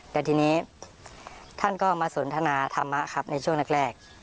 แต่ทีนี้ท่านก็มาสนทนาธรรมะครับในช่วงแรก